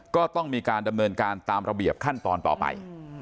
ก็ต้องมีการดำเนินการตามระเบียบขั้นตอนต่อไป